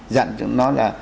dẫn cho nó là